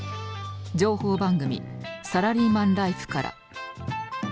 情報番組「サラリーマンライフ」から。